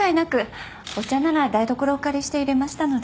お茶なら台所をお借りして入れましたので。